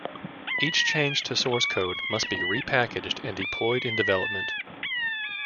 Each change to source code must be repackaged and deployed in development.